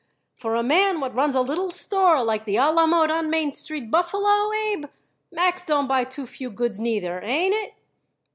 "For a man what runs a little store like the A La Mode on Main Street, Buffalo, Abe, Max don't buy too few goods, neither. Ain't it?"